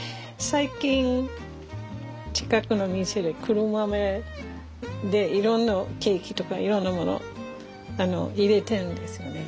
最近近くの店で黒豆でいろんなケーキとかいろんなもの入れてるんですよね。